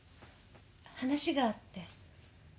話があって。